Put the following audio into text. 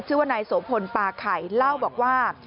ชื่อว่านายโสพลปาไข่เล่าบอกว่า